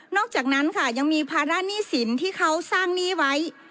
อกจากนั้นค่ะยังมีภาระหนี้สินที่เขาสร้างหนี้ไว้